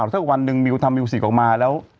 สักวันหนึ่งมิวทำมิวสิกออกมาแล้ว